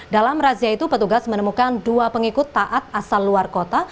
dalam razia itu petugas menemukan dua pengikut taat asal luar kota